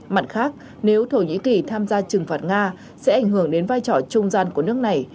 mặt khác nếu thổ nhĩ kỳ tham gia trừng phạt nga sẽ ảnh hưởng đến vai trò trung gian của nước này